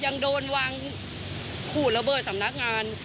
ยังโดนวางขูดระเบิดสำนักงาน